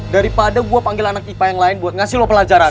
daripada gue panggil anak pipa yang lain buat ngasih lo pelajaran